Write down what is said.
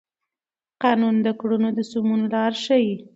قانون د کړنو د سمون لار ښيي.